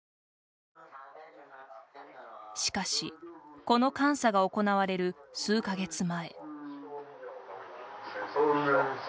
しかしこの監査が行われる数か月前。